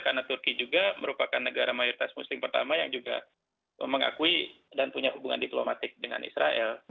karena turki juga merupakan negara mayoritas muslim pertama yang juga mengakui dan punya hubungan diplomatik dengan israel